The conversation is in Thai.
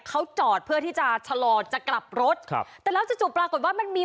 เขาจอดเพื่อที่จะชะลอจะกลับรถครับแต่แล้วจู่จู่ปรากฏว่ามันมี